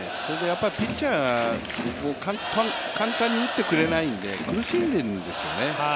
ピッチャーが簡単に打ってくれないので苦しんでいるんですよね。